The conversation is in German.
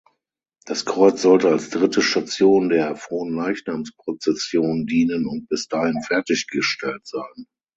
Das Kreuz sollte als dritte Station der Fronleichnamsprozession dienen und bis dahin fertiggestellt sein.